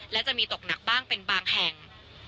และจะมีตกหนักบ้างเป็นบางแห่ง